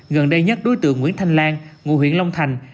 gần đây nhất đối tượng nguyễn thanh lan ngụ huyện long thành